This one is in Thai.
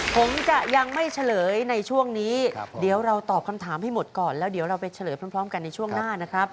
ผมจะยังไม่เฉลยในช่วงนี้เดี๋ยวเราตอบคำถามให้หมดก่อนแล้วเดี๋ยวเราไปเฉลยพร้อมกันในช่วงหน้านะครับ